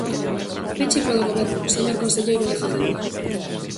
Peche polo Goberno, señor conselleiro de Facenda.